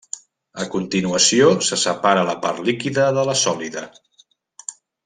A continuació se separa la part líquida de la sòlida.